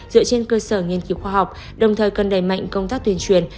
dựa trên cơ sở nghiên cứu khoa học đồng thời cần đẩy mạnh công tác tuyên truyền